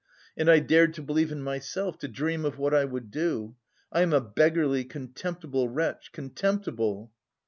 And I dared to believe in myself, to dream of what I would do! I am a beggarly contemptible wretch, contemptible!"